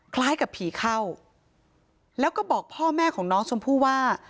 คล้ายกับผีเข้าแล้วก็บอกพ่อแม่ของน้องชมพู่ว่า